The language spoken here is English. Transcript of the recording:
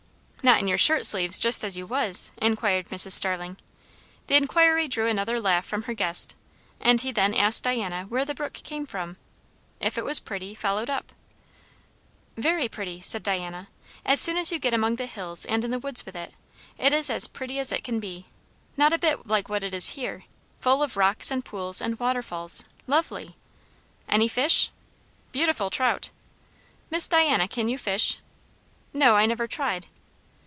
"Not in your shirt sleeves, just as you was?" inquired Mrs. Starling. The inquiry drew another laugh from her guest; and he then asked Diana where the brook came from. If it was pretty, followed up? "Very pretty!" Diana said. "As soon as you get among the hills and in the woods with it, it is as pretty as it can be; not a bit like what it is here; full of rocks and pools and waterfalls; lovely!" "Any fish?" "Beautiful trout." "Miss Diana, can you fish?" "No. I never tried."